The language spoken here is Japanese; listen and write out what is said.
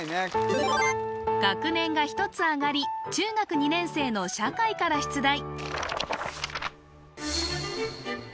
学年が１つ上がり中学２年生の社会から出題